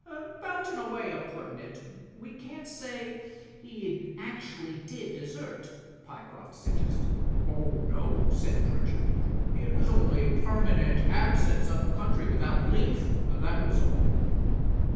"But, in a way o' puttin' it, we can't say that he actually did desert," Pyecroft suggested. "Oh, no," said Pritchard. "It was only permanent absence up country without leaf. That was all."